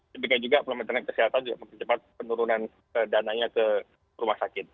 sehingga juga pemerintah kesehatan juga mempercepat penurunan ke rumah sakit